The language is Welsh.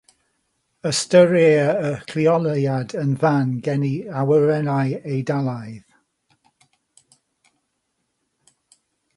Ystyrir y lleoliad yn fan geni awyrennu Eidalaidd.